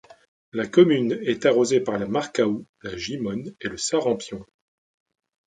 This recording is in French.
La commune est arrosée par la Marcaoue, la Gimone et le Sarrampion.